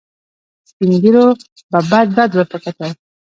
سپين ږيرو به بد بد ورته وکتل.